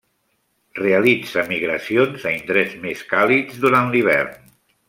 Realitza migracions a indrets més càlids durant l'hivern.